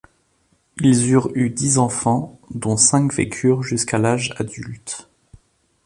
Ils eurent eu dix enfants, dont cinq vécurent jusqu'à l'âge adulte.